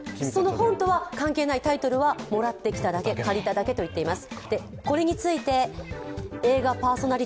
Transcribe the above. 本とは関係ないタイトルはもらってきただけ借りただけと言っています。